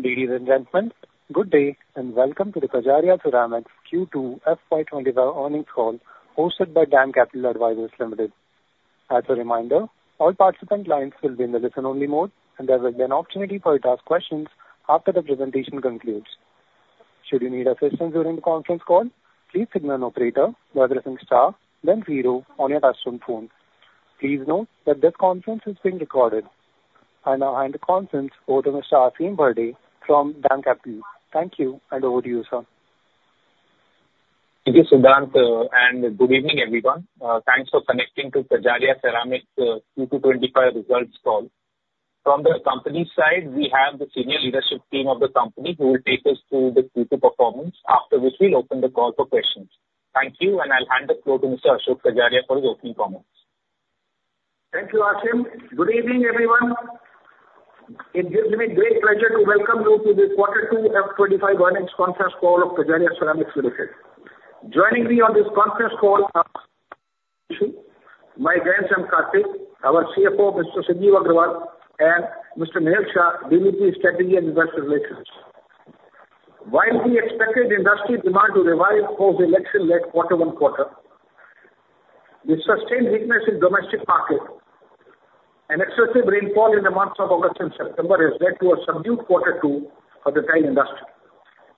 Ladies and gentlemen, good day, and welcome to the Kajaria Ceramics Q2 FY 2025 Earnings Call, hosted by DAM Capital Advisors Limited. As a reminder, all participant lines will be in the listen-only mode, and there will be an opportunity for you to ask questions after the presentation concludes. Should you need assistance during the conference call, please signal an operator by pressing star, then zero on your touchtone phone. Please note that this conference is being recorded. I now hand the conference over to Mr. Aasim Bharde from DAM Capital. Thank you, and over to you, sir. Thank you, Siddhant, and good evening, everyone. Thanks for connecting to Kajaria Ceramics' Q2 2025 Results Call. From the company side, we have the senior leadership team of the company, who will take us through the Q2 performance, after which we'll open the call for questions. Thank you, and I'll hand the floor to Mr. Ashok Kajaria for his opening comments. Thank you, Aasim. Good evening, everyone. It gives me great pleasure to welcome you to this Quarter Two FY 2025 Earnings Conference Call of Kajaria Ceramics Limited. Joining me on this conference call are, Rishi, my grandson, Kartik, our CFO, Mr. Sanjeev Agarwal, and Mr. Nehal Shah, DVP, Strategy and Investor Relations. While we expected industry demand to revive post-election at Quarter one quarter, the sustained weakness in domestic market and excessive rainfall in the months of August and September has led to a subdued quarter two for the tile industry.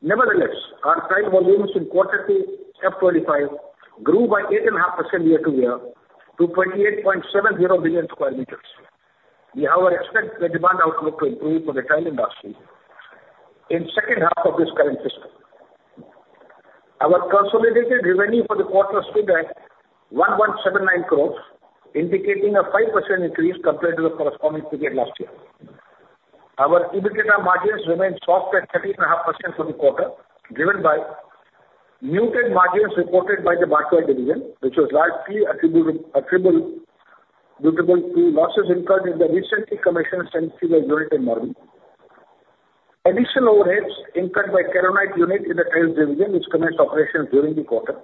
Nevertheless, our tile volumes in quarter two, FY 2025, grew by 8.5% year-to-year, to 28.70 million sq m. We, however, expect the demand outlook to improve for the tile industry in second half of this current fiscal. Our consolidated revenue for the quarter stood at 179 crores, indicating a 5% increase compared to the corresponding period last year. Our EBITDA margins remained soft at 13.5% for the quarter, driven by muted margins reported by the Bathware division, which was largely attributive, attributable to losses incurred in the recently commissioned sanitaryware unit in Morbi. Additional overheads incurred by Keronite unit in the tiles division, which commenced operations during the quarter.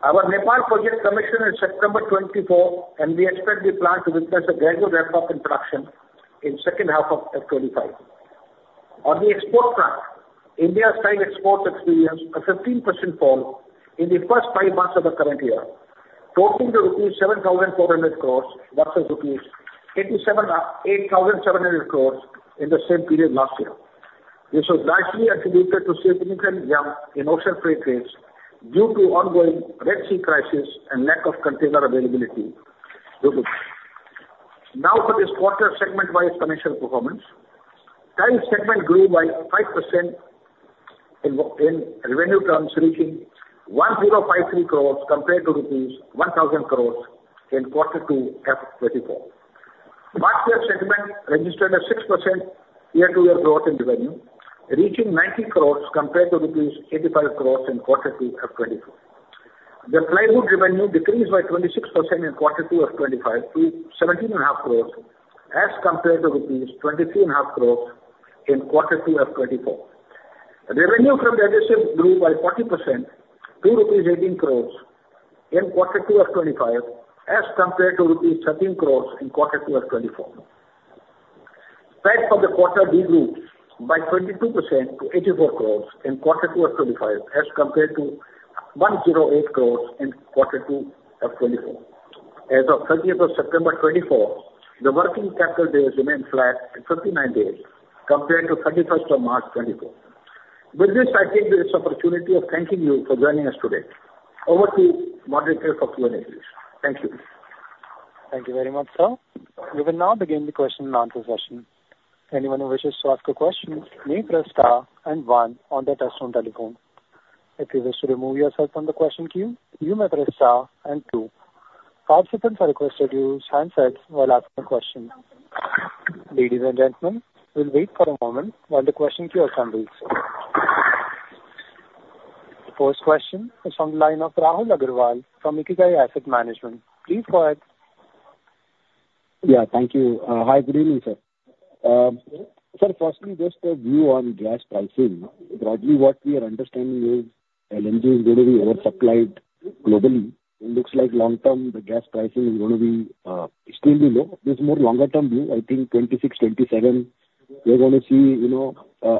Our Nepal project commissioned in September 2024, and we expect the plant to witness a gradual ramp-up in production in second half of FY 2025. On the export front, India's tile exports experienced a 15% fall in the first five months of the current year, totaling rupees 7,400 crores, versus rupees 8,700 crores in the same period last year. This was largely attributed to significant jump in ocean freight rates due to ongoing Red Sea crisis and lack of container availability. Now, for this quarter segment by commercial performance. Tile segment grew by 5% in revenue terms, reaching 1,053 crores compared to rupees 1,000 crores in Q2 FY 2024. Bathware segment registered a 6% year-to-year growth in revenue, reaching 90 crores compared to rupees 85 crores in Q2 FY 2024. The plywood revenue decreased by 26% in Q2 FY25 to 17.5 crores, as compared to rupees 23.5 crores in Q2 FY 2024. Revenue from the adhesive grew by 40% to 18 crores in Q2 FY25, as compared to rupees 13 crores in Q2 FY 2024. PAT for the quarter degrew by 22% to 84 crores in quarter two of 2025, as compared to 108 crores in quarter two of 2024. As of 30th of September 2024, the working capital days remained flat at 59 days, compared to 31st of March 2024. With this, I take this opportunity of thanking you for joining us today. Over to moderator for Q&A. Thank you. Thank you very much, sir. We will now begin the question and answer session. Anyone who wishes to ask a question, may press Star and one on their touchtone telephone. If you wish to remove yourself from the question queue, you may press Star and two. Participants are requested to use handset while asking a question. Ladies and gentlemen, we'll wait for a moment while the question queue assembles. The first question is from the line of Rahul Agarwal from Ikigai Asset Management. Please go ahead. Yeah, thank you. Hi, good evening, sir. Sir, firstly, just a view on gas pricing. Broadly, what we are understanding is, LNG is going to be oversupplied globally. It looks like long term, the gas pricing is going to be extremely low. This more longer term view, I think 2026, 2027, we're gonna see, you know,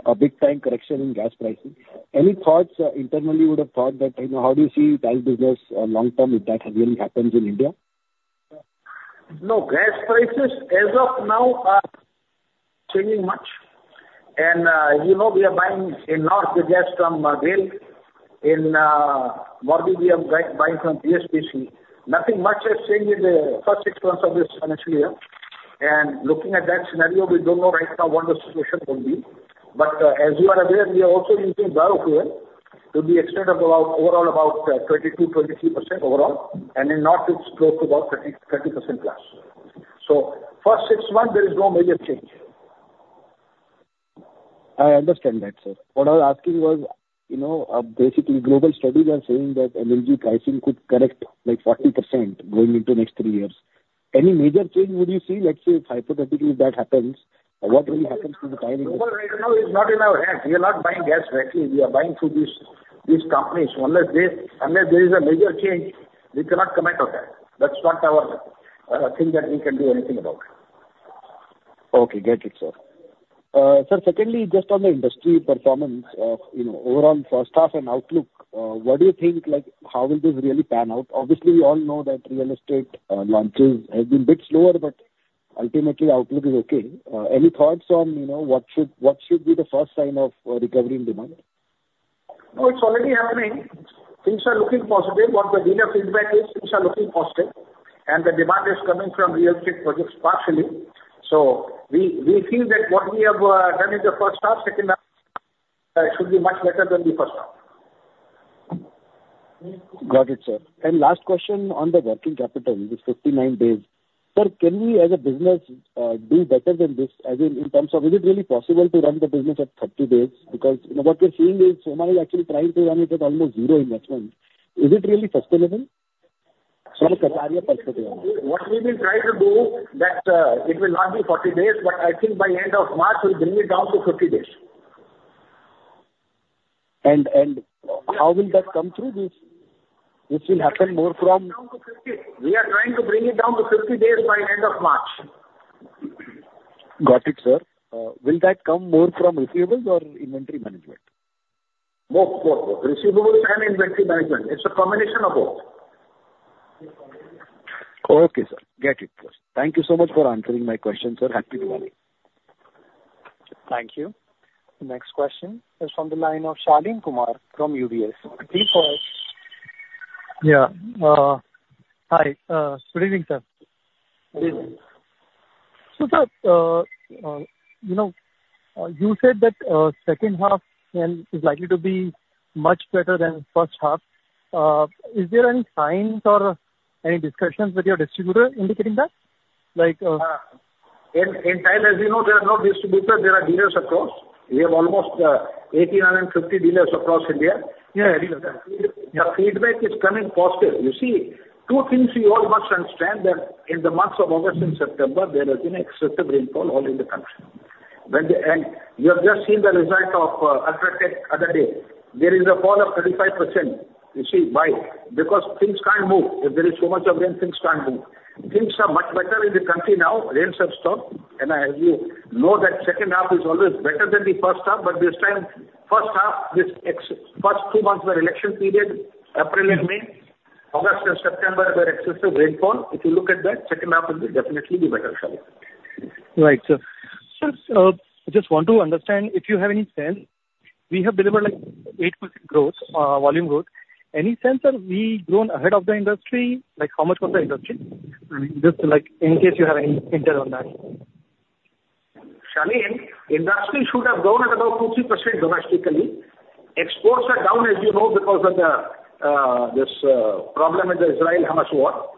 a big time correction in gas pricing. Any thoughts, internally you would have thought that, you know, how do you see tile business, long term, if that really happens in India? No, gas prices as of now are changing much. And, you know, we are buying in North, the gas from GAIL. In Morbi, we are buying from GSPC. Nothing much has changed in the first six months of this financial year, and looking at that scenario, we don't know right now what the situation will be. But, as you are aware, we are also using biofuel to the extent of about 22%-23% overall, and in North it's close to about 30% plus. So first six months, there is no major change. I understand that, sir. What I was asking was, you know, basically global studies are saying that LNG pricing could correct, like, 40% going into next three years. Any major change would you see, let's say, if hypothetically that happens, what will happen to the timing? Global, right now, is not in our hand. We are not buying gas directly, we are buying through these companies, unless there is a major change, we cannot comment on that. That's not our thing that we can do anything about. Okay, got it, sir. Sir, secondly, just on the industry performance, you know, overall first half and outlook, what do you think? Like, how will this really pan out? Obviously, we all know that real estate launches have been a bit slower, but ultimately the outlook is okay. Any thoughts on, you know, what should be the first sign of recovery in demand? No, it's already happening. Things are looking positive. What the dealer feedback is, things are looking positive, and the demand is coming from real estate projects partially. So we feel that what we have done in the first half, second half should be much better than the first half. Got it, sir. And last question on the working capital, this 59 days. Sir, can we as a business do better than this, as in terms of is it really possible to run the business at 30 days? Because what we're seeing is, some are actually trying to run it at almost zero in months. Is it really possible, sir? Sir, Kajaria possible. What we will try to do that, it will not be 40 days, but I think by end of March, we'll bring it down to 50 days. How will that come through this? This will happen more from- We are trying to bring it down to 50 days by end of March. Got it, sir. Will that come more from receivables or inventory management? Both, both. Receivable and inventory management. It's a combination of both. Okay, sir. Get it. Thank you so much for answering my question, sir. Happy Diwali! Thank you. Next question is from the line of Shaleen Kumar from UBS. Yeah. Hi. Good evening, sir. Good evening. So, sir, you know, you said that second half and is likely to be much better than first half. Is there any signs or any discussions with your distributor indicating that? Like, In tile, as you know, there are no distributors, there are dealers across. We have almost 1,850 dealers across India. Yeah. The feedback is coming positive. You see, two things you all must understand, that in the months of August and September, there has been excessive rainfall all in the country, and you have just seen the result of UltraTech the other day. There is a fall of 35%. You see, why? Because things can't move. If there is so much of rain, things can't move. Things are much better in the country now. Rains have stopped, and as you know, that second half is always better than the first half, but this time, first half, the first two months were election period, April and May. August and September were excessive rainfall. If you look at that, second half will definitely be better. Right, sir. Sir, just want to understand if you have any sense. We have delivered, like, 8% growth, volume growth. Any sense that we've grown ahead of the industry? Like, how much was the industry? Just like in case you have any intel on that. Shaleen, industry should have grown at about 50% domestically. Exports are down, as you know, because of this problem with the Israel-Hamas war.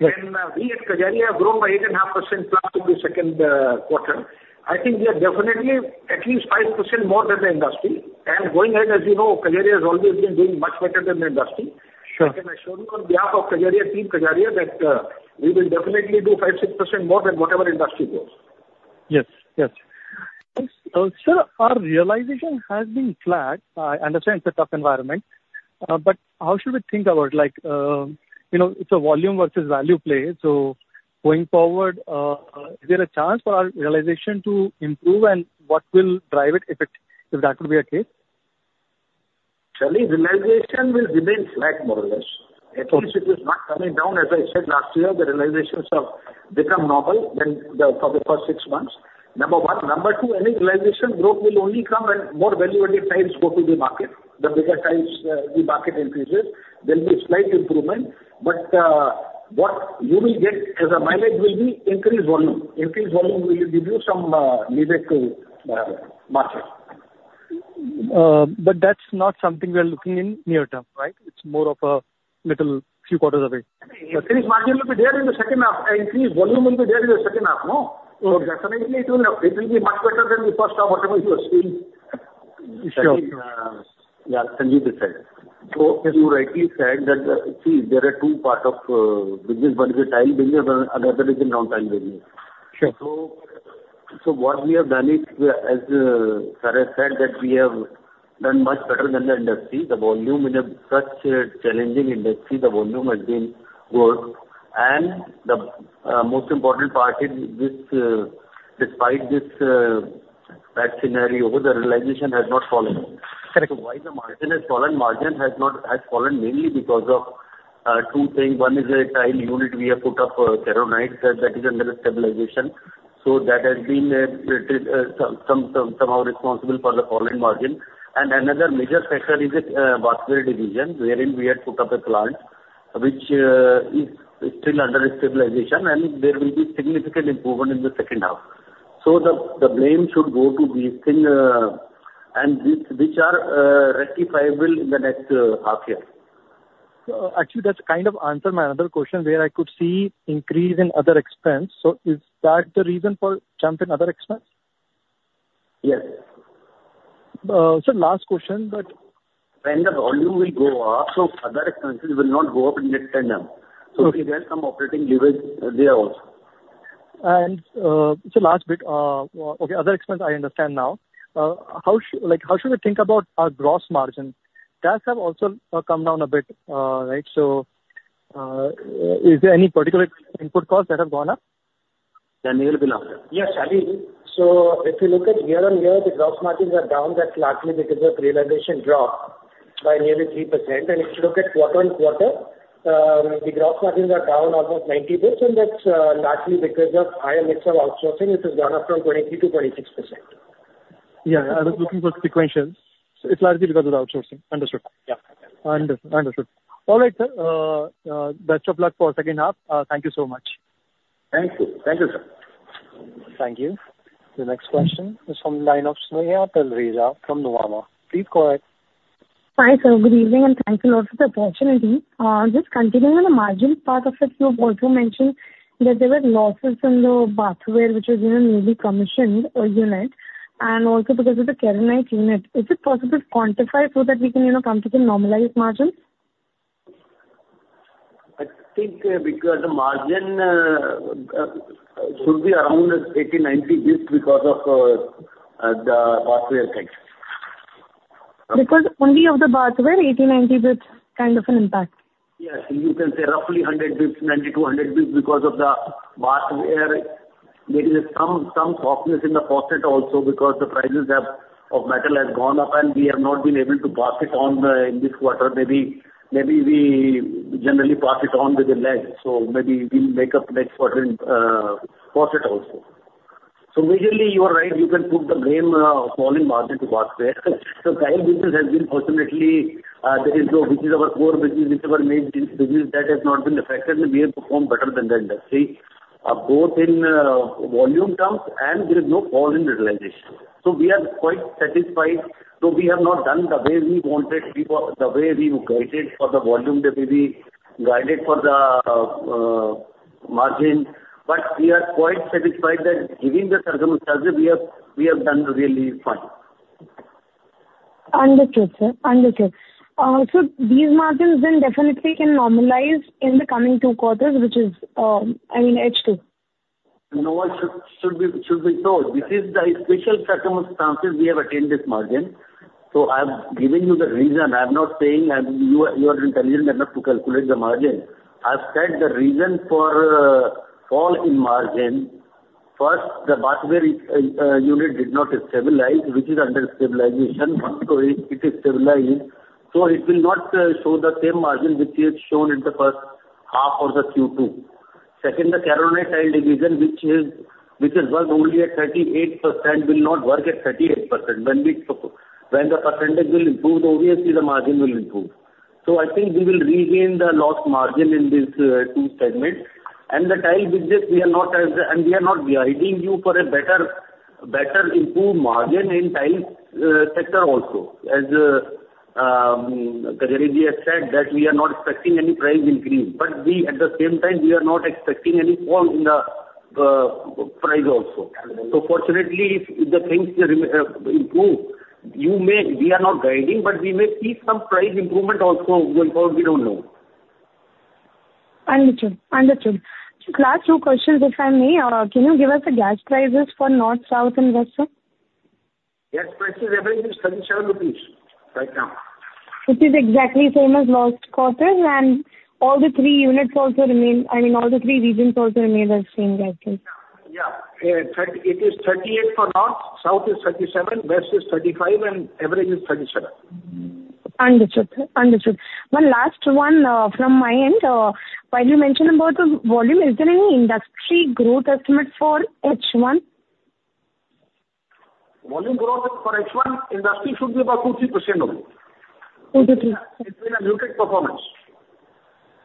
Right. We at Kajaria have grown by 8.5% plus in the second quarter. I think we are definitely at least 5% more than the industry. Going ahead, as you know, Kajaria has always been doing much better than the industry. Sure. And I assure you on behalf of Kajaria team, Kajaria, that we will definitely do 5%-6% more than whatever industry grows. Yes. Yes. Sir, our realization has been flat. I understand it's a tough environment, but how should we think about, like, you know, it's a volume versus value play. So going forward, is there a chance for our realization to improve, and what will drive it if that would be the case? Shaleen, realization will remain flat, more or less. Okay. At least it is not coming down. As I said, last year, the realizations have become normal than the, for the first six months. Number one. Number two, any realization growth will only come when more value-added tiles go to the market. The bigger tiles, the market increases, there will be a slight improvement, but, what you will get as a mileage will be increased volume. Increased volume will give you some, leeway to, market. But that's not something we are looking in near term, right? It's more of a little few quarters away. Increased margin will be there in the second half, and increased volume will be there in the second half, no? Sure. So definitely, it will, it will be much better than the first half, what you are seeing. Sure. Yeah, Sanjeev this side. So you rightly said that, see, there are two part of business. One is a tile business, another is a non-tile business. Sure. What we have done is, as sir has said, that we have done much better than the industry. The volume in a such challenging industry has been good, and the most important part is this, despite this bad scenario, the realization has not fallen. Correct. So why the margin has fallen? Margin has not, has fallen mainly because of two things. One is a tile unit we have put up few months that is under stabilization. So that has been somehow responsible for the falling margin. And another major factor is the bathroom division, wherein we had put up a plant which is still under stabilization, and there will be significant improvement in the second half. So the blame should go to these things and which are rectifiable in the next half year. Actually, that's kind of answered my other question, where I could see increase in other expense. So is that the reason for jump in other expense? Yes. Sir, last question, but- When the volume will go up, so other expenses will not go up in the same amount. Okay. We get some operating leverage there also. And, so last bit, okay, other expense I understand now. Like, how should we think about our gross margin? Gas have also come down a bit, right? So, is there any particular input costs that have gone up? Then Nehal will answer. Yes, Ali. So if you look at year on year, the gross margins are down. That's largely because of realization dropped by nearly 3%. And if you look at quarter on quarter, the gross margins are down almost ninety basis points, and that's largely because of higher mix of outsourcing, which has gone up from 23%-26%. Yeah, I was looking for sequential. So it's largely because of the outsourcing. Understood. Yeah. Understood. All right, sir. Best of luck for second half. Thank you so much. Thank you. Thank you, sir. Thank you. The next question is from the line of Neha Talreja from Nomura. Please go ahead. Hi, sir. Good evening, and thanks a lot for the opportunity. Just continuing on the margin part of it, you also mentioned that there were losses in the Bathware, which was, you know, newly commissioned unit, and also because of the Keronite unit. Is it possible to quantify so that we can, you know, come to the normalized margins? I think, because the margin should be around 80-90 basis because of the Bathware side. Because only of the Bathware, 80-90 basis kind of an impact? Yes, you can say roughly 100 basis, 90-100 basis because of the Bathware. There is some softness in the faucet also because the prices of metal have gone up, and we have not been able to pass it on in this quarter. Maybe we generally pass it on with a lag, so maybe we'll make up next quarter in faucet also. So visually, you are right, you can put the blame falling back into Bathware. The tile business has been fortunately there is no. Which is our core business, which is our main business, that has not been affected, and we have performed better than the industry both in volume terms, and there is no fall in realization. So we are quite satisfied. So we have not done the way we wanted, the way we guided for the volume, that we guided for the margin. But we are quite satisfied that given the circumstances, we have done really fine. Understood, sir. Understood. So these margins then definitely can normalize in the coming two quarters, which is, I mean, H2? No, should be so. This is the special circumstances we have attained this margin, so I'm giving you the reason. I'm not saying you are intelligent enough to calculate the margin. I've said the reason for fall in margin. First, the Bathware unit did not stabilize, which is under stabilization. Once it is stabilized, so it will not show the same margin, which we have shown in the first half or the Q2. Second, the Kerovit tile division, which has worked only at 38%, will not work at 38%. When the percentage will improve, obviously the margin will improve. So I think we will regain the lost margin in these two segments. The tile business, we are not, and we are not guiding you for a better improved margin in tile sector also. As Kajaria has said that we are not expecting any price increase, but we at the same time, we are not expecting any fall in the price also. So fortunately, if the things improve, you may. We are not guiding, but we may see some price improvement also. We don't know. Understood. Understood. Sir, last two questions, if I may. Can you give us the gas prices for North, South and West? Gas prices average is 37 rupees right now. Which is exactly same as last quarter, and all the three units also remain, I mean, all the three regions also remain the same likely? Yeah. Yeah, it is 38 for North, South is thirty-seven, West is 35, and average is 37. Understood. Understood. One last one, from my end. While you mentioned about the volume, is there any industry growth estimate for H1? Volume growth for H1, industry should be about 2%-3% only. Two to three. It's been a muted performance.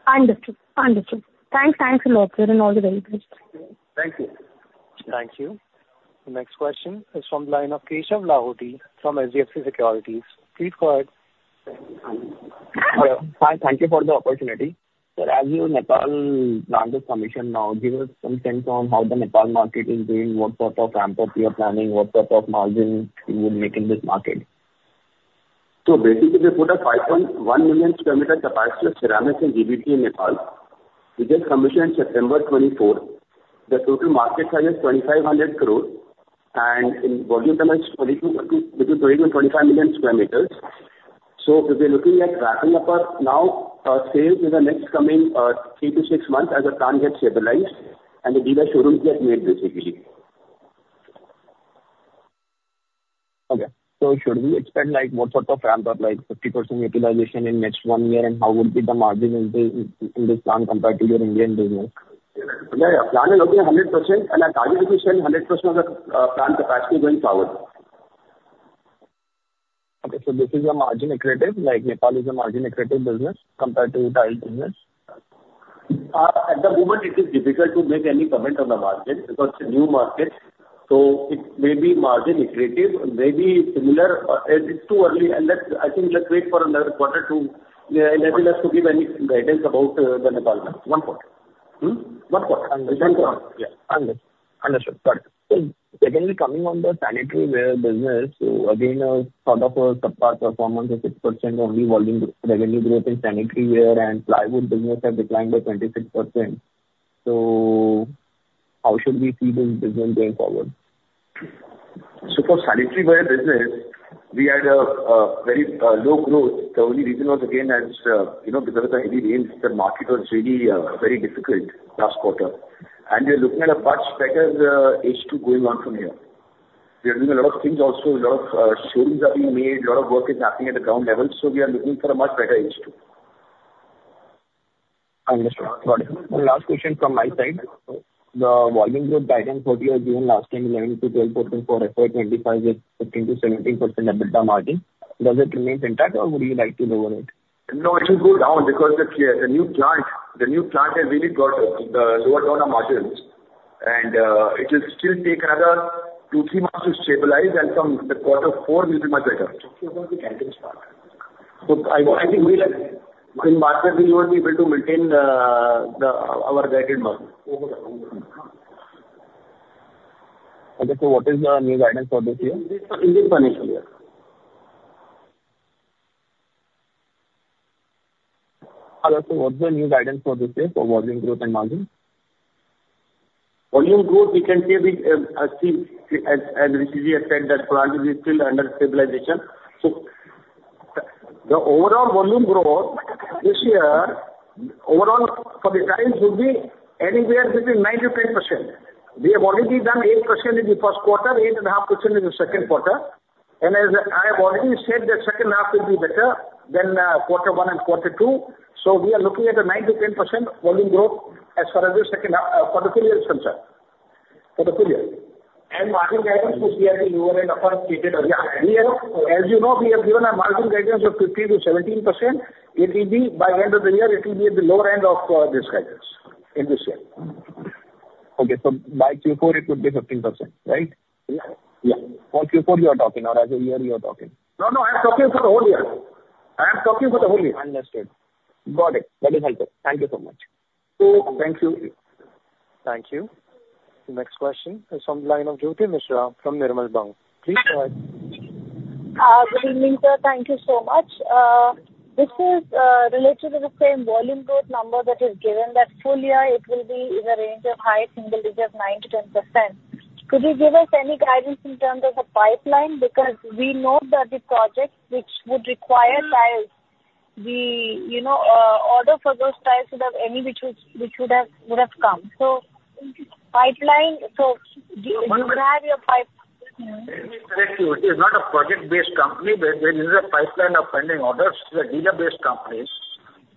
Understood. Understood. Thanks. Thanks a lot, sir, and all the very best. Thank you. Thank you. The next question is from the line of Keshav Lahoti from HDFC Securities. Please go ahead. Hi, thank you for the opportunity. Sir, as your Nepal plant is commissioned now, give us some sense on how the Nepal market is doing, what sort of ramp up you are planning, what sort of margins you will make in this market? So basically we put a 5.1 million square meter capacity of ceramics and GVT in Nepal, which was commissioned September 24th. The total market size is 2,500 crore, and in volume terms, between 20-25 million square meters. So we'll be looking at wrapping up our now sales in the next coming three to 6 months as the plant gets stabilized and the dealer showrooms get made, basically. Okay. So should we expect, like, what sort of ramp up, like 50% utilization in next one year? And how will be the margins in this, in, in this plant compared to your Indian business? The plant will be 100%, and I'm targeting to run 100% of the plant capacity going forward. Okay. So this is a margin accretive, like Nepal is a margin accretive business compared to tile business? At the moment, it is difficult to make any comment on the margin because it's a new market, so it may be margin accretive, maybe similar, it's too early, and I think let's wait for another quarter to enable us to give any guidance about the Nepal market. One quarter? Hmm? One quarter. Understood. Yeah. Understood. Got it. So secondly, coming on the sanitaryware business, so again, sort of a subpar performance of 6% only volume, revenue growth in sanitaryware and plywood business have declined by 26%. So, how should we see this business going forward? So for sanitaryware business, we had a very low growth. The only reason was, again, as you know, because of the heavy rains, the market was really very difficult last quarter, and we are looking at a much better H2 going on from here. We are doing a lot of things also. A lot of showrooms are being made. A lot of work is happening at the ground level, so we are looking for a much better H2. I understand. Got it. One last question from my side. The volume growth guidance what you had given last time, 11%-12% for FY 2025 with 15%-17% EBITDA margin, does it remain intact, or would you like to lower it? No, it will go down because the new plant has really brought down our margins, and it will still take another two, three months to stabilize, and from the quarter four will be much better. What about the guidance part? So, I think we have, in market, we will be able to maintain our guided margin. Overall. Okay, so what is the new guidance for this year? This is for Indian financial year. Hello, sir, what's the new guidance for this year for volume growth and margin? Volume growth, we can see a bit, as Rishi said, that plant is still under stabilization. So the overall volume growth this year, overall for the year, will be anywhere between 9%-10%. We have already done 8% in the first quarter, 8.5% in the second quarter, and as I have already said, the second half will be better than quarter one and quarter two. So we are looking at a 9%-10% volume growth as far as the second half for the full year is concerned. For the full year. Margin guidance will be at the lower end of what we did earlier. Yeah. We have, as you know, we have given a margin guidance of 15%-17%. It will be by the end of the year, it will be at the lower end of this guidance in this year. Okay, so by Q4 it would be 15%, right? Yeah, yeah. For Q4 you are talking, or as a year you are talking? No, no, I'm talking for the whole year. I am talking for the whole year. Understood. Got it. That is helpful. Thank you so much. Thank you. Thank you. The next question is from the line of Jyoti Gupta from Nirmal Bang. Please go ahead. Good evening, sir. Thank you so much. This is related to the same volume growth number that is given, that full year it will be in the range of high single digit, 9%-10%. Could you give us any guidance in terms of the pipeline? Because we know that the projects which would require tiles, you know, order for those tiles would have come. So pipeline, so do you have your pipe- Let me correct you. It is not a project-based company, where there is a pipeline of pending orders. We are dealer-based companies.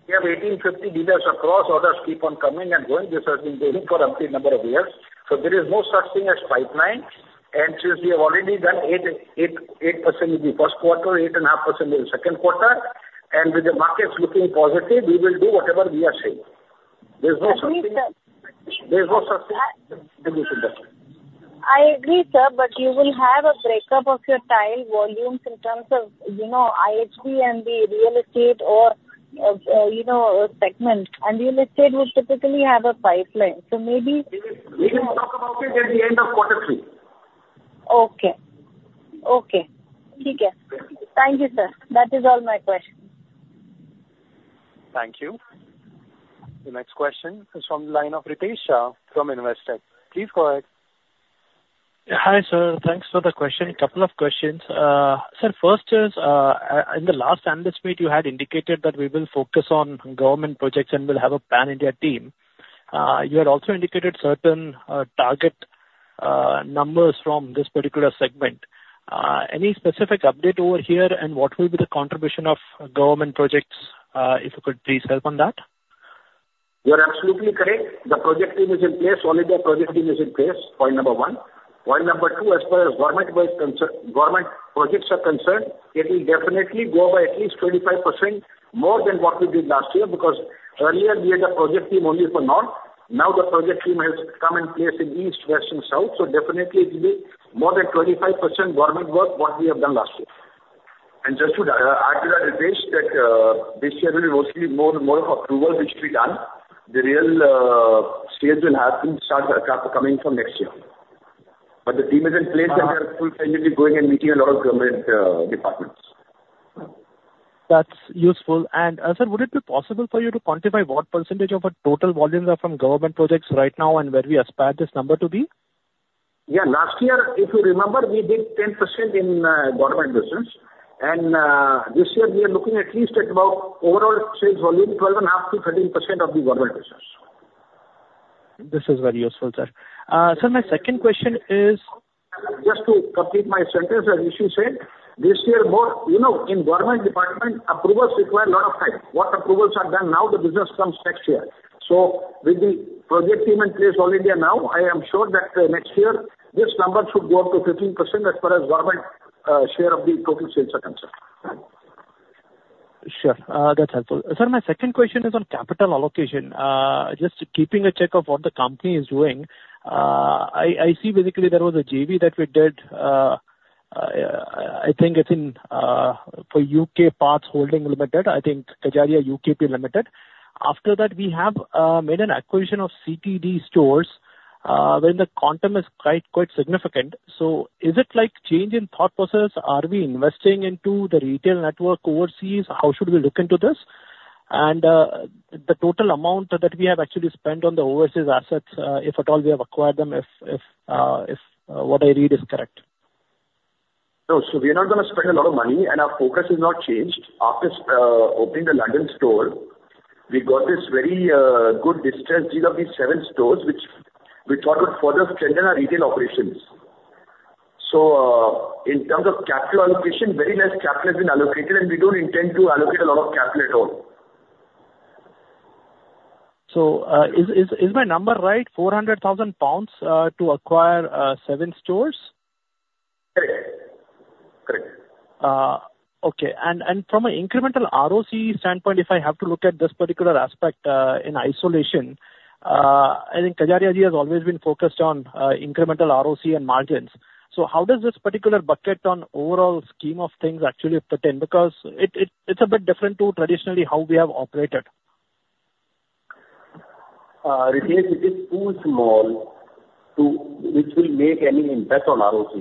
We have 1,850 dealers across. Orders keep on coming and going. This has been going for umpteen number of years. So there is no such thing as pipeline. And since we have already done 8.88% in the first quarter, 8.5% in the second quarter, and with the markets looking positive, we will do whatever we are saying. There's no such thing- I agree, sir. There's no such thing. I agree, sir, but you will have a breakup of your tile volumes in terms of, you know, IHB and the real estate or, you know, segment, and real estate will typically have a pipeline, so maybe- We will talk about it at the end of quarter three. Okay. Okay. Thank you, sir. That is all my questions. Thank you. The next question is from the line of Ritesh Shah from Investec. Please go ahead. Hi, sir. Thanks for the question. A couple of questions. So first is, in the last analyst meet, you had indicated that we will focus on government projects and we'll have a pan-India team. You had also indicated certain target numbers from this particular segment. Any specific update over here, and what will be the contribution of government projects? If you could please help on that. You are absolutely correct. The project team is in place. All of the project team is in place, point number one. Point number two, as far as government work concern, government projects are concerned, it will definitely go by at least 25% more than what we did last year, because earlier we had a project team only for north. Now the project team has come in place in east, west and south, so definitely it will be more than 25% government work what we have done last year. And just to add to that, Ritesh, that this year will mostly be more approvals which will be done. The real sales will have to start coming from next year. But the team is in place. Uh- And they are full-fledged, going and meeting a lot of government departments. That's useful. And, sir, would it be possible for you to quantify what percentage of our total volumes are from government projects right now and where we aspire this number to be? Yeah. Last year, if you remember, we did 10% in government business, and this year we are looking at least at about overall sales volume 12.5%-13% of the government business. This is very useful, sir. Sir, my second question is- Just to complete my sentence, as Rishi said, this year more, you know, in government department, approvals require a lot of time. What approvals are done now, the business comes next year. So with the project team in place all India now, I am sure that next year this number should go up to 15% as far as government share of the total sales are concerned. Sure, that's helpful. Sir, my second question is on capital allocation. Just keeping a check of what the company is doing, I see basically there was a JV that we did, I think it's in for Kajaria UKP Limited. After that, we have made an acquisition of CTD stores, where the quantum is quite significant. So is it like change in thought process? Are we investing into the retail network overseas? How should we look into this? And the total amount that we have actually spent on the overseas assets, if at all we have acquired them, if what I read is correct. No. So we are not going to spend a lot of money, and our focus has not changed. After opening the London store, we got this very good distance. These are the seven stores which we thought would further strengthen our retail operations. So, in terms of capital allocation, very less capital has been allocated, and we don't intend to allocate a lot of capital at all. Is my number right, 400,000 pounds to acquire seven stores? Correct. Correct. Okay. And from an incremental ROC standpoint, if I have to look at this particular aspect, in isolation, I think Kajaria has always been focused on incremental ROC and margins. So how does this particular bucket on overall scheme of things actually fit in? Because it is a bit different to traditionally how we have operated. Ritesh, it is too small to which will make any impact on ROC.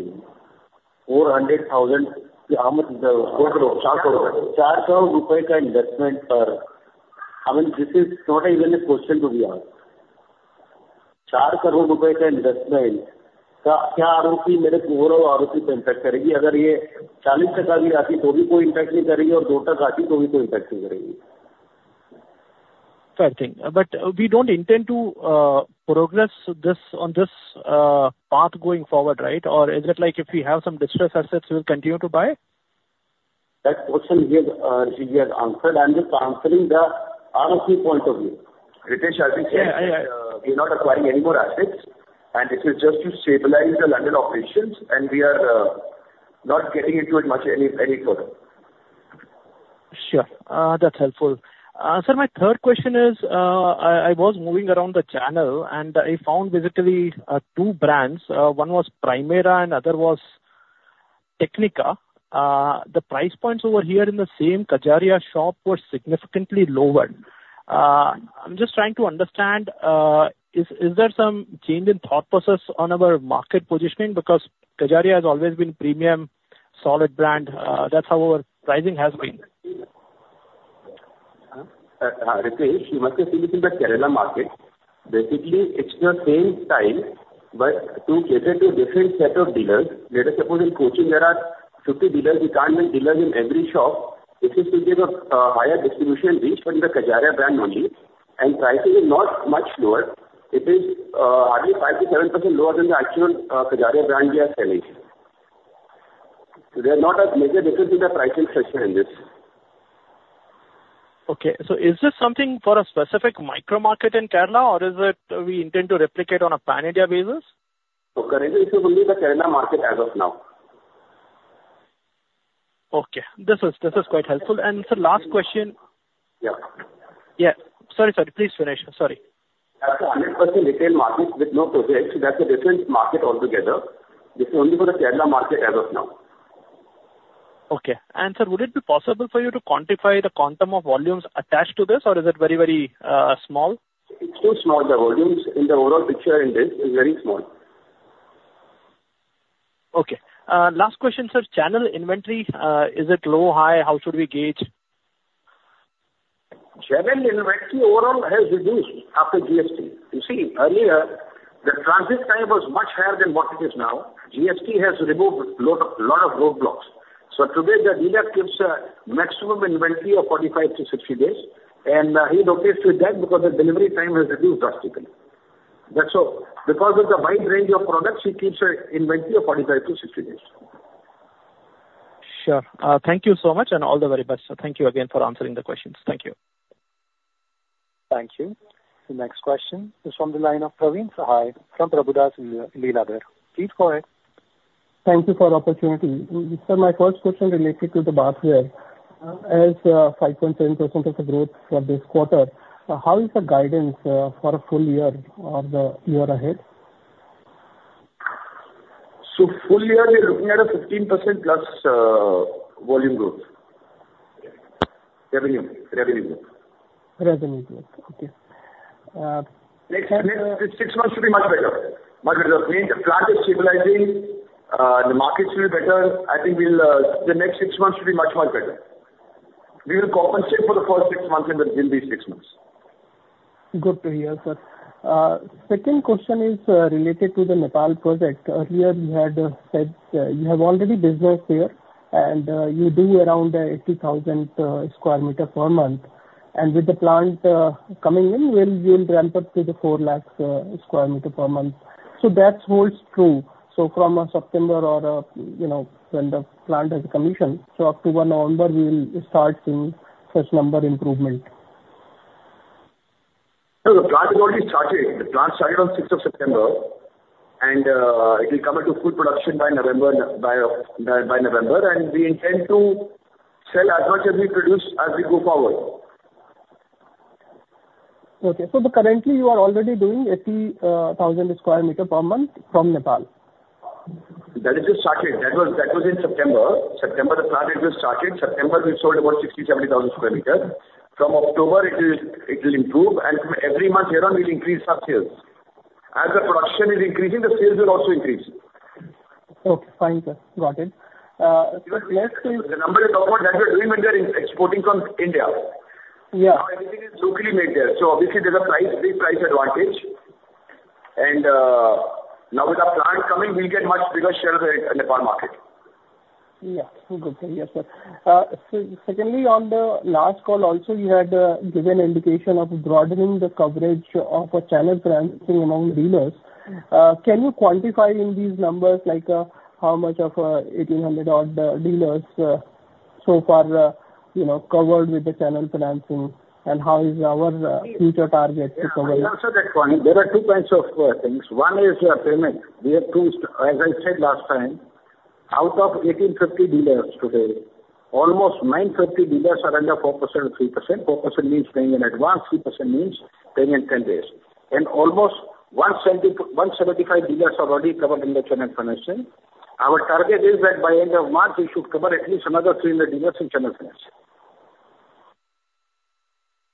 400,000, Four crore. 4 crore. 4 crore rupees investment, I mean, this is not even a question to be asked. 4 crore rupees investment, ROC, overall ROC impact, 40% ROC, no impact, 2% ROC, no impact. Fair thing. But we don't intend to progress this on this path going forward, right? Or is it like if we have some distressed assets, we'll continue to buy? That question we have, we have answered. I'm just answering the ROC point of view. Ritesh, as we said- Yeah, I- We're not acquiring any more assets, and this is just to stabilize the London operations, and we are not getting into it much, any further. Sure. That's helpful. Sir, my third question is, I was moving around the channel, and I found basically two brands. One was Primera and other was Technica. The price points over here in the same Kajaria shop were significantly lower. I'm just trying to understand, is there some change in thought process on our market positioning? Because Kajaria has always been premium, solid brand. That's how our pricing has been. Ritesh, you must have seen it in the Kerala market. Basically, it's the same tile, but to cater to a different set of dealers. Let us suppose in Kochi there are 50 dealers, we can't make dealers in every shop. This is to give a higher distribution reach for the Kajaria brand only, and pricing is not much lower. It is hardly 5%-7% lower than the actual Kajaria brand we are selling. There's not a major difference in the pricing structure in this. Okay, so is this something for a specific micro market in Kerala, or is it we intend to replicate on a pan-India basis? Currently, it's only the Kerala market as of now. Okay, this is quite helpful. And sir, last question. Yeah. Yeah. Sorry, sorry. Please finish. Sorry. That's 100% retail market with no projects. That's a different market altogether. This is only for the Kerala market as of now. Okay. And sir, would it be possible for you to quantify the quantum of volumes attached to this? Or is it very, very, small? It's too small. The volumes in the overall picture in this is very small. Okay. Last question, sir. Channel inventory, is it low, high? How should we gauge? Channel inventory overall has reduced after GST. You see, earlier, the transit time was much higher than what it is now. GST has removed a lot of, lot of roadblocks. So today, the dealer keeps a maximum inventory of 45-60 days, and, he is okay with that because the delivery time has reduced drastically. That's all. Because of the wide range of products, he keeps an inventory of 45-60 days. Sure. Thank you so much and all the very best, sir. Thank you again for answering the questions. Thank you. Thank you. The next question is from the line of Praveen Sahay from Prabhudas Lilladher. Please go ahead. Thank you for the opportunity. Sir, my first question related to the Bathware. As 5.10% growth for this quarter, how is the guidance for a full year or the year ahead? Full year, we're looking at a 15% plus volume growth. Revenue, revenue growth. Revenue growth, okay. Next six months should be much better. Much better. I mean, the plant is stabilizing, the markets will be better. I think we'll, the next six months should be much, much better. We will compensate for the first six months in the remaining six months. Good to hear, sir. Second question is related to the Nepal project. Earlier, you had said you have already business there, and you do around eighty thousand square meter per month. And with the plant coming in, we'll ramp up to the four lakhs square meter per month. So that holds true. So from September or you know, when the plant has commissioned, so October, November, we will start seeing such number improvement. No, the plant has already started. The plant started on 6th of September, and it will come into full production by November, and we intend to sell as much as we produce as we go forward. Okay. So, but currently you are already doing 80,000 sq m per month from Nepal? That is just started. That was in September. September, the plant was started. September, we sold about 60-70 thousand sq m. From October, it will improve, and from every month here on, we'll increase our sales. As the production is increasing, the sales will also increase. Okay, fine, sir. Got it. Because let's say- The number I talked about, that was even there in exporting from India. Yeah. Now everything is locally made there, so obviously there's a price, big price advantage. And, now with our plant coming, we get much bigger share of the Nepal market. Yeah. Good, sir. Yes, sir. So secondly, on the last call also, you had given indication of broadening the coverage of a channel financing among dealers. Can you quantify in these numbers, like, how much of eighteen hundred odd dealers so far you know covered with the channel financing? And how is our future target for covering? Yeah, I answered that point. There are two kinds of things. One is your payment. We have two. As I said last time, out of 1,850 dealers today, almost 950 dealers are under 4%, 3%. 4% means paying in advance, 3% means paying in ten days. And almost 170-175 dealers are already covered in the channel financing. Our target is that by end of March, we should cover at least another 300 dealers in channel financing.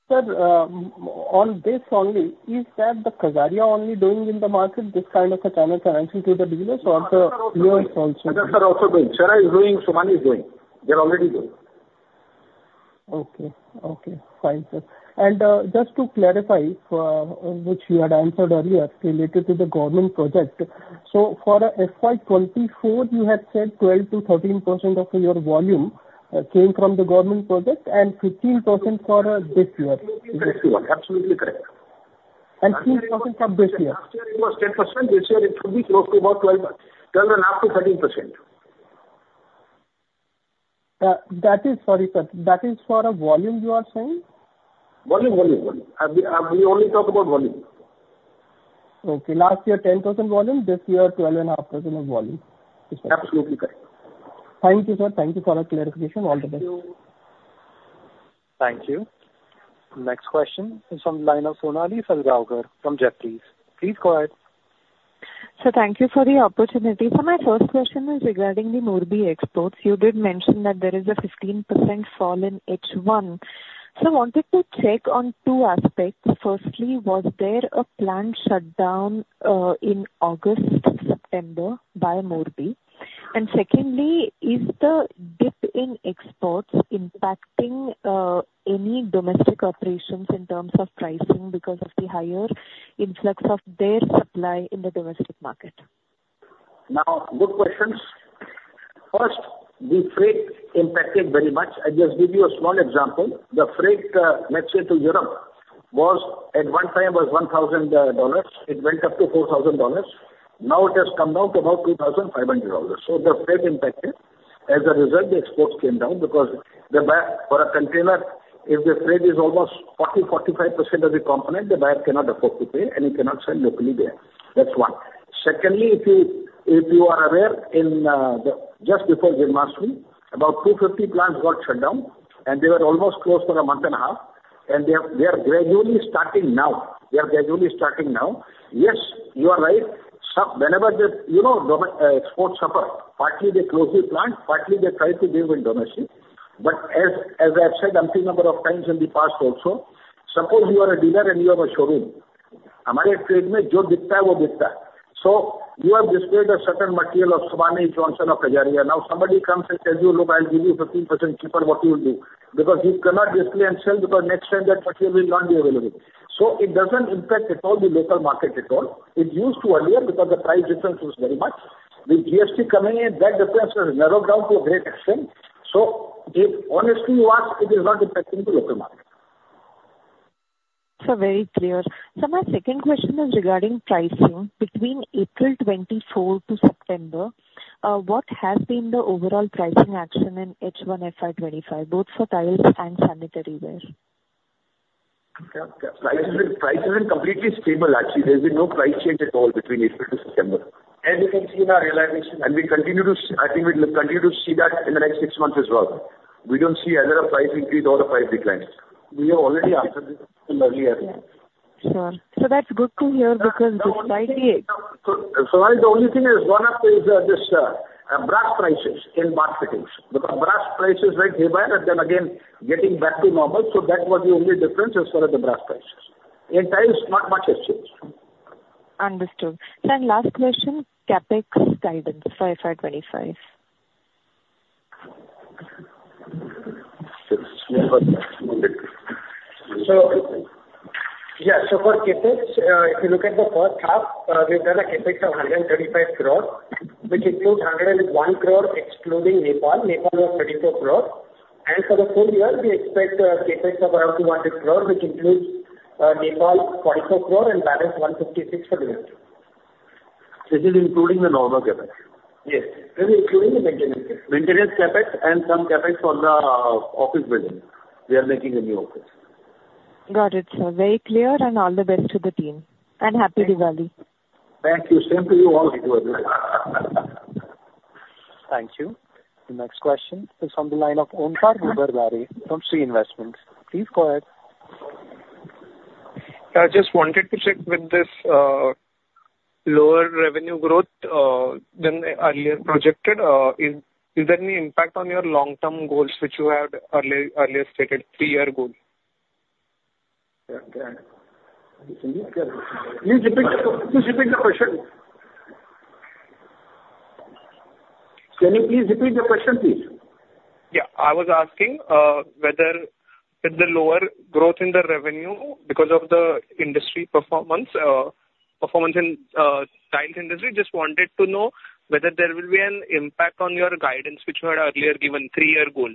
Sir, on this only, is that the Kajaria only doing in the market, this kind of a channel financing to the dealers or the others also? Others are also doing. Kajaria is doing, Somany is doing. They're already doing. Okay. Okay, fine, sir. And just to clarify, for which you had answered earlier related to the government project. So for FY 2024, you had said 12%-13% of your volume came from the government project, and 15% for this year. This year. Absolutely correct. 15% for this year. Last year it was 10%, this year it should be close to about 12, 12.5%-13%. That is, sorry, sir. That is for a volume you are saying? Volume, volume, volume. We only talk about volume. Okay, last year, 10% volume, this year, 12.5% of volume. Absolutely correct. Thank you, sir. Thank you for the clarification. All the best. Thank you. Thank you. Next question is from the line of Sonali Salgaonkar from Jefferies. Please go ahead. Sir, thank you for the opportunity. So my first question is regarding the Morbi exports. You did mention that there is a 15% fall in H1. So I wanted to check on two aspects. Firstly, was there a planned shutdown in August, September by Morbi? And secondly, is the dip in exports impacting any domestic operations in terms of pricing because of the higher influx of their supply in the domestic market? Now, good questions. First, the freight impacted very much. I just give you a small example. The freight, let's say to Europe, was, at one time was $1,000. It went up to $4,000. Now it has come down to about $2,500. So the freight impacted. As a result, the exports came down because the buyer, for a container, if the freight is almost 40%-45% of the component, the buyer cannot afford to pay and you cannot sell locally there. That's one. Secondly, if you are aware, in the just before Janmashtami, about 250 plants got shut down, and they were almost closed for a month and a half, and they are gradually starting now. They are gradually starting now. Yes, you are right. Sometimes, whenever the, you know, exports suffer, partly they close the plant, partly they try to deal with domestic. But as I've said umpteen number of times in the past also, suppose you are a dealer and you have a showroom. So you have displayed a certain material of Somany, Johnson or Kajaria. Now, somebody comes and tells you, "Look, I'll give you 15% cheaper." What you will do? Because you cannot display and sell, because next time that material will not be available. So it doesn't impact at all the local market at all. It used to earlier because the price difference was very much. With GST coming in, that difference has narrowed down to a great extent. So if honestly you ask, it is not impacting the local market. Sir, very clear. So my second question is regarding pricing. Between April 2024 to September, what has been the overall pricing action in H1 FY 2025, both for tiles and sanitary wares? Yeah. Prices, prices are completely stable actually. There's been no price change at all between April to September. As you can see in our realization. And we continue to see. I think we'll continue to see that in the next six months as well. We don't see another price increase or a price decline. We have already answered this question earlier. Yeah. Sure. So that's good to hear, because despite the- So the only thing is gone up is brass prices in bath fittings. Because brass prices went haywire, and then again getting back to normal. So that was the only difference as far as the brass price is. In tiles, not much has changed. Understood. Sir, last question: CapEx guidance for FY 2025. So, yeah, so for CapEx, if you look at the first half, we've done a CapEx of 135 crore, which includes 101 crore, excluding Nepal. Nepal was 24 crore. And for the full year, we expect CapEx of around 200 crore, which includes Nepal, 44 crore, and balance 156 for the rest. This is including the normal CapEx? Yes. This is including the maintenance. Maintenance CapEx and some CapEx on the office building. We are making a new office. Got it, sir. Very clear, and all the best to the team. And Happy Diwali! Thank you. Same to you all. Thank you. The next question is on the line of Onkar Ghugardare from Shree Investments. Please go ahead. I just wanted to check with this lower revenue growth than earlier projected. Is there any impact on your long-term goals, which you had earlier stated, three-year goal? Okay, can you please repeat the question? Can you please repeat the question, please? Yeah. I was asking whether with the lower growth in the revenue because of the industry performance in tiles industry, just wanted to know whether there will be an impact on your guidance, which you had earlier given three-year goal?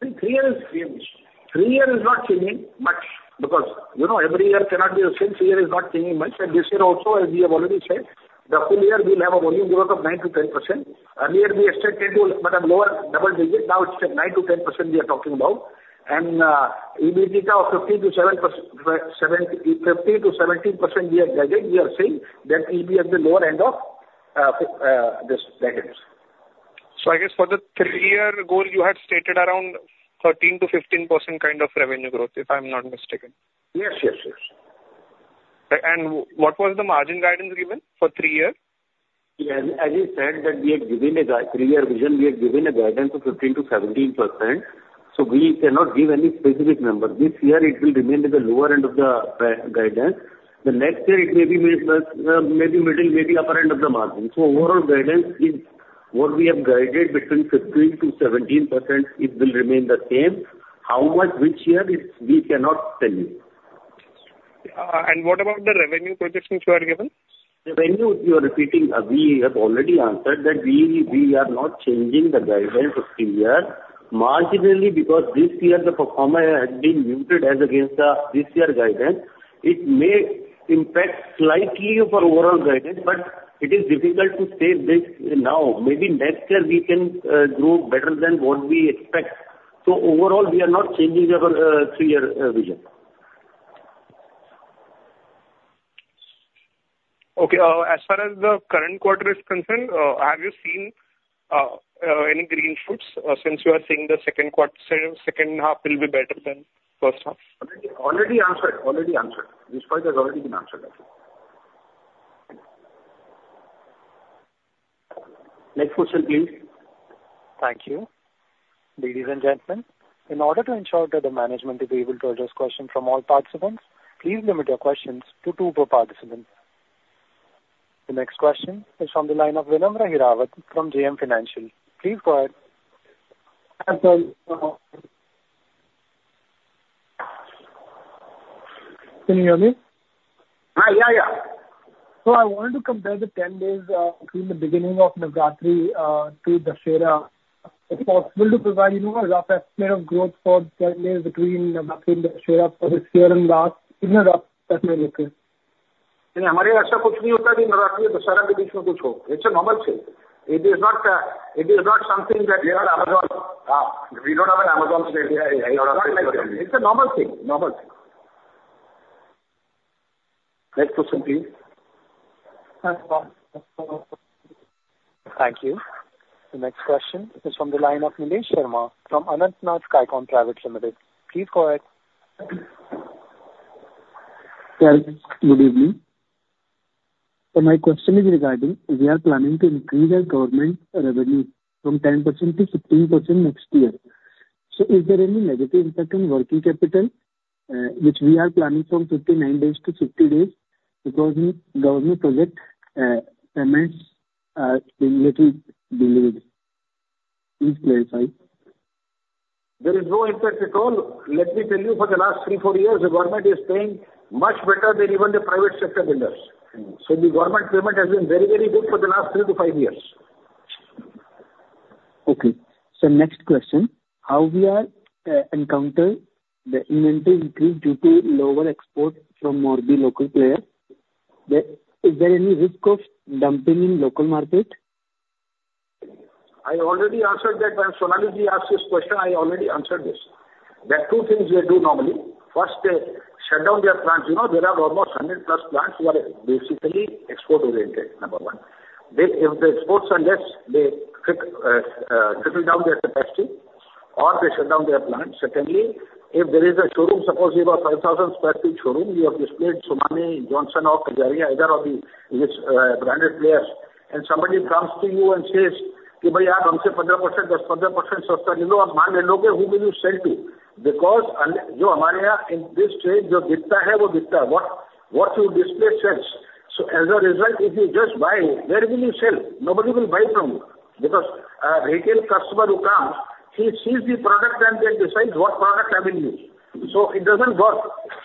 This year is not changing much because, you know, every year cannot be the same. This year is not changing much, and this year also, as we have already said, the full year we'll have a volume growth of 9-10%. Earlier, we expected to have lower double digits, now it's at 9-10% we are talking about. EBITDA of 15-17% we have guided, we are saying that it will be at the lower end of this guidance. So I guess for the three-year goal, you had stated around 13-15% kind of revenue growth, if I'm not mistaken. Yes, yes, yes. And what was the margin guidance given for three years? Yeah. As I said that we have given a three-year vision, we have given a guidance of 15%-17%, so we cannot give any specific number. This year it will remain at the lower end of the guidance. The next year it may be maybe middle, maybe upper end of the margin. So overall guidance is what we have guided between 15%-17%, it will remain the same. How much, which year, it's, we cannot tell you. And what about the revenue projections you have given? The revenue you are repeating, we have already answered that we are not changing the guidance for three-year. Marginally, because this year the performer has been muted as against the this year guidance, it may impact slightly for overall guidance, but it is difficult to say this now. Maybe next year we can do better than what we expect. So overall, we are not changing our three-year vision. Okay, as far as the current quarter is concerned, have you seen any green shoots, since you are saying the second quarter, second half will be better than first half? Already, already answered. Already answered. This point has already been answered, I think. Next question, please. Thank you. Ladies and gentlemen, in order to ensure that the management will be able to address questions from all participants, please limit your questions to two per participant. The next question is from the line of Vinamra Hirawat from JM Financial. Please go ahead. Can you hear me? Yeah, yeah. So I wanted to compare the 10 days between the beginning of Navratri to Dussehra. Is it possible to provide, you know, a rough estimate of growth for 10 days between Navratri and Dussehra for this year and last? In a rough estimate, okay. In our area, there's nothing like that, between Navratri and Dussehra, there is something. It's a normal thing. It is not, it is not something that we are Amazon. We don't have an Amazon sale. It's a normal thing, normal thing. Next question, please. Thank you. Thank you. The next question is from the line of Nilesh Sharma from Anantnath Skycon Private Limited. Please go ahead. Good evening. My question is regarding we are planning to increase our government revenue from 10%-15% next year. Is there any negative impact on working capital, which we are planning from 59 days to 60 days because government projects payments are being a little delayed? Please clarify. There is no impact at all. Let me tell you, for the last three, four years, the government is paying much better than even the private sector builders. Mm-hmm. The government payment has been very, very good for the last three-to-five years. Okay, so next question: How are we encountering the inventory increase due to lower exports from Morbi, the local players? Is there any risk of dumping in local market? I already answered that. When Sonali Ji asked this question, I already answered this. There are two things we do normally. First, they shut down their plants. You know, there are almost 100-plus plants who are basically export-oriented, number one. They, if the exports are less, they shut down their capacity or they shut down their plants. Secondly, if there is a showroom, suppose you have a 5,000 sq ft showroom, you have displayed Somany, Johnson or Kajaria, either of the, which, branded players, and somebody comes to you and says, "Brother, give me 10%, 10% cheaper," who will you sell to? Because in this trade, what is sold is sold. What you display sells. So as a result, if you just buy, where will you sell? Nobody will buy from you. Because, retail customer who comes, he sees the product and then decides what product I will use. So it doesn't work.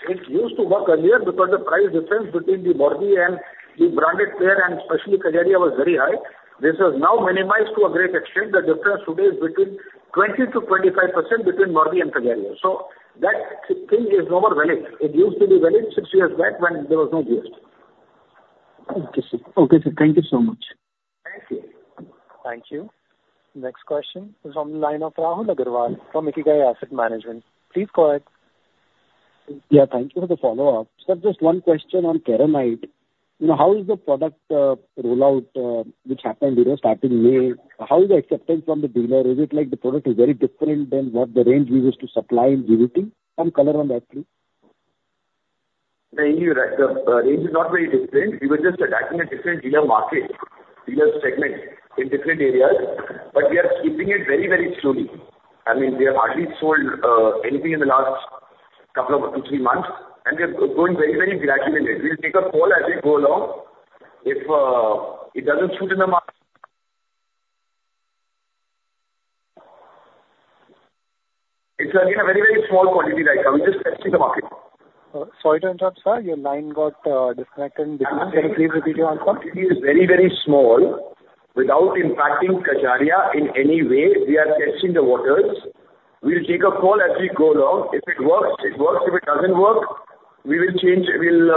It used to work earlier because the price difference between the Morbi and the branded player, and especially Kajaria, was very high. This is now minimized to a great extent. The difference today is between 20%-25% between Morbi and Kajaria. So that thing is no more valid. It used to be valid six years back when there was no GST. Thank you, sir. Okay, sir, thank you so much. Thank you. Thank you. Next question is from the line of Rahul Agarwal from Ikigai Asset Management. Please go ahead. Yeah, thank you for the follow-up. Sir, just one question on Kerovit. You know, how is the product rollout, which happened, you know, starting May? How is the acceptance from the dealer? Is it like the product is very different than what the range we used to supply in GVT? Some color on that, please. No, you're right. The range is not very different. We were just attacking a different dealer market, dealer segment in different areas, but we are skipping it very, very slowly. I mean, we have hardly sold anything in the last couple of two, three months, and we are going very, very gradually. We'll take a call as we go along. If it doesn't suit in the market, it's again, a very, very small quantity right now. We're just testing the market. Sorry to interrupt, sir. Your line got disconnected. Can you please repeat your answer? It is very, very small. Without impacting Kajaria in any way, we are testing the waters. We will take a call as we go along. If it works, it works. If it doesn't work, we will change, we'll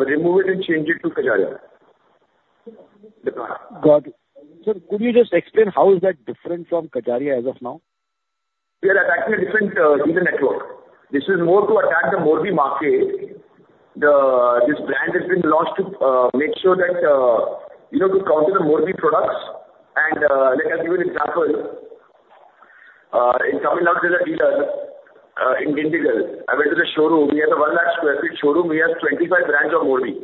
remove it and change it to Kajaria. Got it. Sir, could you just explain how is that different from Kajaria as of now? We are attacking a different dealer network. This is more to attack the Morbi market. This brand has been launched to make sure that, you know, to counter the Morbi products. And let us give an example. In Tamil Nadu, there's a dealer in Guindy. I went to the showroom. We have a one lakh sq ft showroom. We have 2025 brands of Morbi.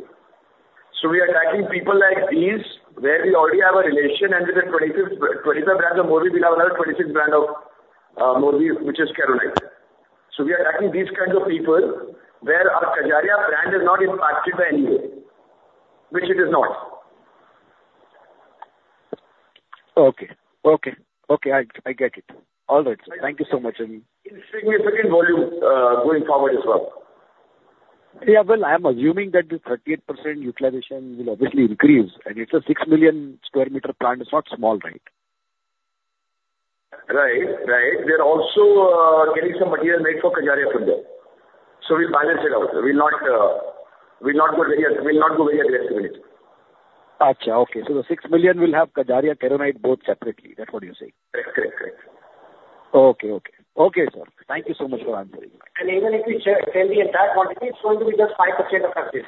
So we are attacking people like these, where we already have a relation, and with the twenty-fifth, 2025 brands of Morbi, we have another twenty-six brand of Morbi, which is Keronite. So we are attacking these kinds of people where our Kajaria brand is not impacted by any way, which it is not. Okay, I get it. All right, sir. Thank you so much, and- In significant volume, going forward as well. Yeah, well, I'm assuming that the 38% utilization will obviously increase, and it's a 6 million sq m plant. It's not small, right? Right. Right. We are also getting some material made for Kajaria from there. So we balance it out. We'll not go very aggressively. Got you. Okay, so the six million will have Kajaria, Keronite, both separately. That's what you're saying? Correct. Correct. Okay, sir. Thank you so much for answering. Even if we sell the entire quantity, it's going to be just 5% of our sales.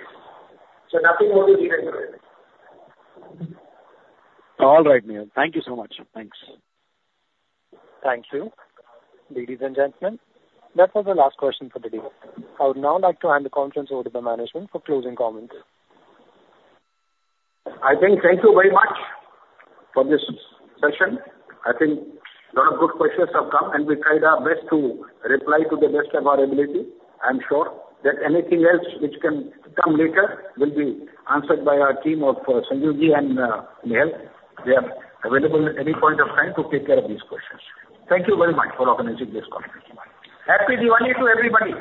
Nothing more will be done to it. All right, Nehal. Thank you so much. Thanks. Thank you. Ladies and gentlemen, that was the last question for the day. I would now like to hand the conference over to the management for closing comments. I think thank you very much for this session. I think a lot of good questions have come, and we tried our best to reply to the best of our ability. I'm sure that anything else which can come later will be answered by our team of, Sanjeev and, Nehal. They are available at any point of time to take care of these questions. Thank you very much for organizing this call. Happy Diwali to everybody!